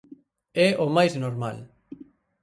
É o máis normal.